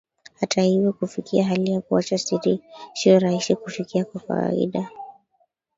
Hata hivyo kufikia hali ya kuacha sio rahisi kufikia kwa kawaida